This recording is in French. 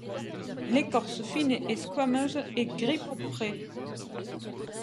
L’écorce, fine et squameuse, est gris pourpré.